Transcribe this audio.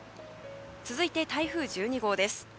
続いて、台風１２号です。